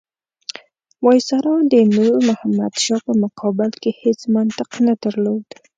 وایسرا د نور محمد شاه په مقابل کې هېڅ منطق نه درلود.